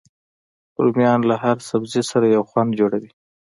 رومیان له هر سبزي سره یو خوند جوړوي